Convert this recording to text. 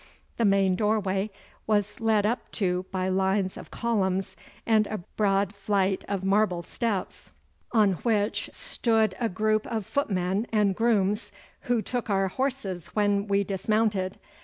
The main doorway was led up to by lines of columns and a broad flight of marble steps, on which stood a group of footmen and grooms, who took our horses when we dismounted.